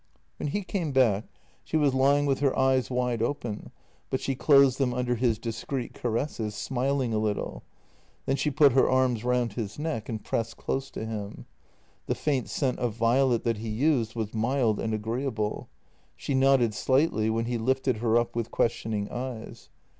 When he came back she was lying with her eyes wide open, but she closed them under his discreet caresses, smiling a little; then she put her arms round his neck and pressed close to him. The faint scent of violet that he used was mild and agreeable. She nodded slightly when he lifted her up with questioning eyes.